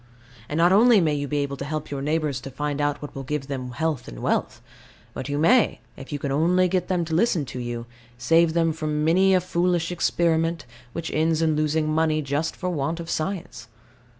And not only may you be able to help your neighbours to find out what will give them health and wealth: but you may, if you can only get them to listen to you, save them from many a foolish experiment, which ends in losing money just for want of science.